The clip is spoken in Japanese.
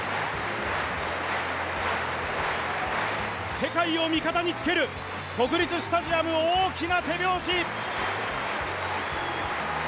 世界を味方につける国立スタジアム、大きな手拍子。